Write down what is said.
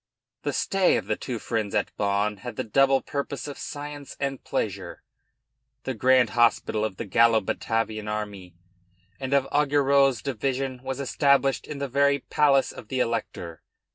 The stay of the two friends at Bonn had the double purpose of science and pleasure. The grand hospital of the Gallo Batavian army and of Augereau's division was established in the very palace of the Elector.